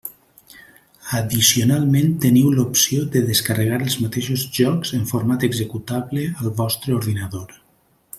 Addicionalment teniu l'opció de descarregar els mateixos jocs en format executable al vostre ordinador.